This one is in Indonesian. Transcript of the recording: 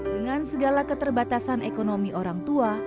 dengan segala keterbatasan ekonomi orang tua